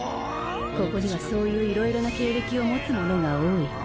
ここにはそういういろいろな経歴を持つ者が多い。